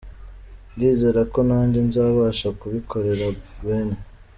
Ndizera ko nanjye nzabasha kubikorera Guinée.